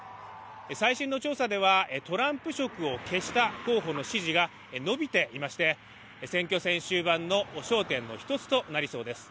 最新の調査ではトランプ色を消した候補の支持が伸びていまして、選挙戦終盤の焦点の１つとなりそうです。